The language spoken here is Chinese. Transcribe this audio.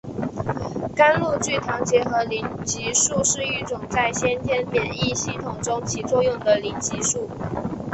甘露聚糖结合凝集素是一种在先天免疫系统中起作用的凝集素。